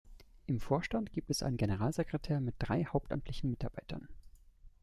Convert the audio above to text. Im Vorstand gibt es einen Generalsekretär mit drei hauptamtlichen Mitarbeitern.